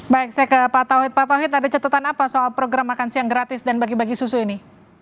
baik saya ke pak tauhid pak tauhid ada catatan apa soal program makan siang gratis dan bagi bagi susu ini